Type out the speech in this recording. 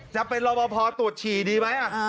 จะเป็นรอบพอตรวจฉี่ดีไหม